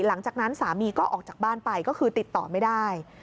หลังจากนั้นสามีก็ออกจากบ้านไปก็คือติดต่อไม่ได้